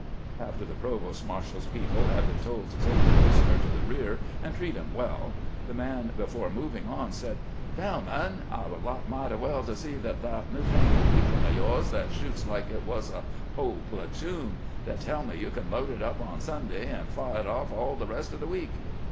After the provost marshal's people had been told to take the prisoner to the rear and treat him well, the man, before moving on, said :" Grentlemen, I would like mighty well to see that thah new fangled weepon o' yourn that shoots like it was a whole platoon. They teU me, you can load it up on Sunday and fiah it off all the rest o' the week."